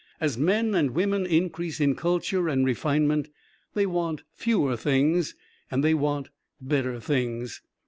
As men and women increase in culture and refinement, they want fewer things, and they want better things.